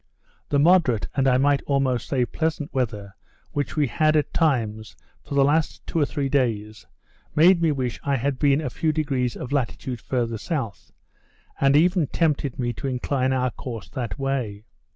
The moderate, and I might almost say, pleasant weather, we had, at times, for the last two or three days, made me wish I had been a few degrees of latitude farther south; and even tempted me to incline our course that way.